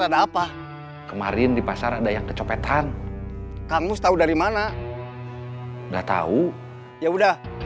ada apa kemarin di pasar ada yang kecopetan kamu tahu dari mana nggak tahu ya udah